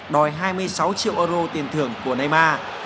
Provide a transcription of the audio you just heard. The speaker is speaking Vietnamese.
đòi hai mươi sáu triệu euro tiền thưởng của nema